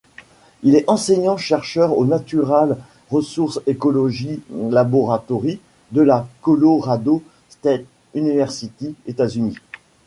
Il est enseignant-chercheur au Natural Resource Ecology Laboratory, de la Colorado State University, États-Unis.